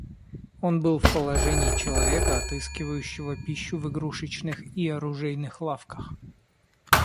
Он был в положении человека, отыскивающего пищу в игрушечных и оружейных лавках.